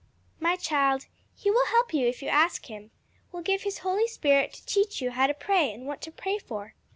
"My child, he will help you if you ask him; will give his Holy Spirit to teach you how to pray and what to pray for.